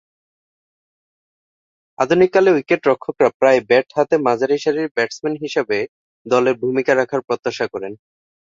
আধুনিককালে উইকেট-রক্ষকেরা প্রায়ই ব্যাট হাতে মাঝারিসারির ব্যাটসম্যান হিসেবে দলে ভূমিকা রাখার প্রত্যাশা করেন।